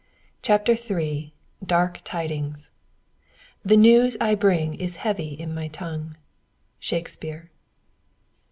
CHAPTER III DARK TIDINGS The news I bring is heavy in my tongue. Shakespeare.